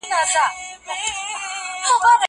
زه کولای سم انځور وګورم!